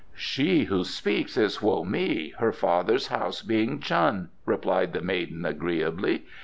"She who speaks is Hoa mi, her father's house being Chun," replied the maiden agreeably.